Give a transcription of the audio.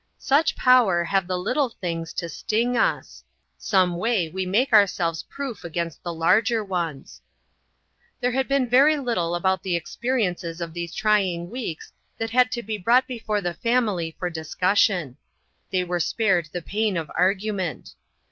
Such power have the little things to sting us! Some way we make ourselves proof against the larger ones. There had been very little about the ex periences of these trying weeks that had to OUT IN THE WORLD. 45 be brought before the family for discussion. They were spared the pain of argument.